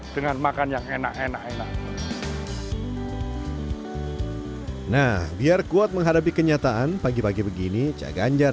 dengan makan yang enak enak enak nah biar kuat menghadapi kenyataan pagi pagi begini caganjar